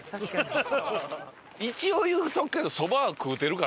一応言うとくけど。